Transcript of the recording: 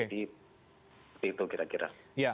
jadi itu kira kira